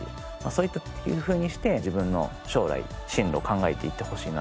そういうふうにして自分の将来の進路を考えていってほしいなと。